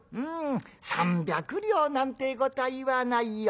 ３００両なんてえことは言わないよ。